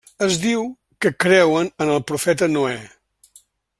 Es diu que creuen en el profeta Noè.